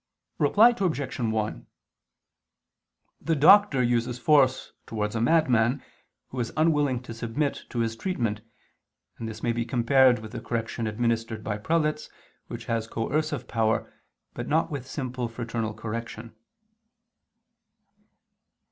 Reply Obj. 1: The doctor uses force towards a madman, who is unwilling to submit to his treatment; and this may be compared with the correction administered by prelates, which has coercive power, but not with simple fraternal correction.